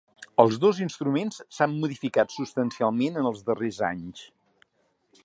Els dos instruments s'han modificat substancialment en els darrers anys.